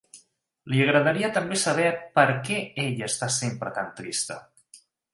Li agradaria també saber per què ella està sempre tan trista.